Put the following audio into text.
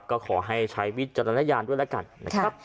ก็ขอให้ใช้วิจารณญาณด้วยแล้วกันนะครับ